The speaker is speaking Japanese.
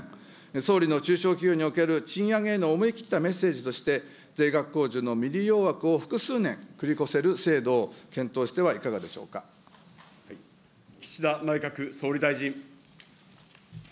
総理の中小企業における賃上げへの思い切ったメッセージとして、税額控除の未利用枠を複数年繰り越せる制度を検討してはいかがで岸田内閣総理大臣。